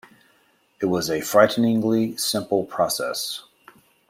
It was a frighteningly simple process.